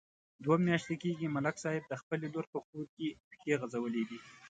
دوه میاشتې کېږي، ملک صاحب د خپلې لور په کور کې پښې غځولې دي.